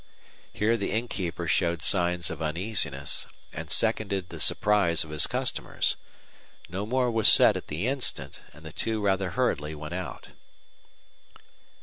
Here the innkeeper showed signs of uneasiness, and seconded the surprise of his customers. No more was said at the instant, and the two rather hurriedly went out.